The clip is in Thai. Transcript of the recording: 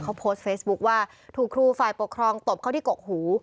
เขาโพสต์เฟซบุ๊คว่าถูกครูฝ่ายปกครองตบเข้าที่กกหู